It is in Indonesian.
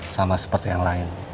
sama seperti yang lain